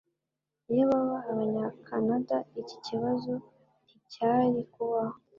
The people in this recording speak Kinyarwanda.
Iyo baba Abanyakanada, iki kibazo nticyari kubaho.